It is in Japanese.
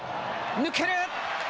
抜ける！